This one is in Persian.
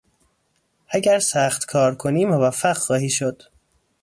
اگر سخت کار کنی موفق خواهی شد.